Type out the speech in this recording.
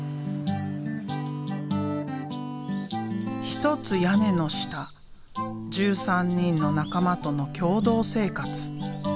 一つ屋根の下１３人の仲間との共同生活。